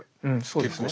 そうですね。